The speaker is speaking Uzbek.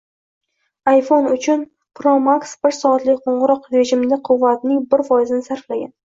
iPhoneo´n uchPro Max bir soatlik qo‘ng‘iroq rejimida quvvatningbirfoizini sarflagan